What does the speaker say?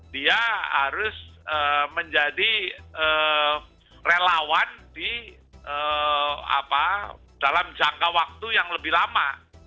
dia harus menjadi relawan di dalam jangka waktu yang lebih lama